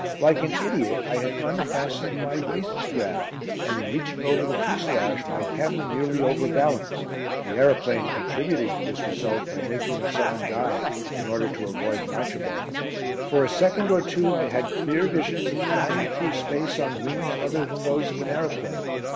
Like an idiot, I had unfastened my waist strap, and in reaching over the fuselage my camera nearly over balanced, the aeroplane contributing to this result by making a sudden dive in order to avoid an "Archibald." For a second or two I had clear visions of flying through space on wings other than those of an aeroplane.